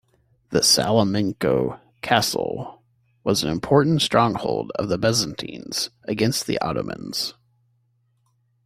The Salmeniko Castle was an important stronghold of the Byzantines against the Ottomans.